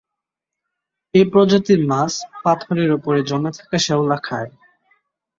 এ প্রজাতির মাছ পাথরের উপরে জমে থাকা শ্যাওলা খায়।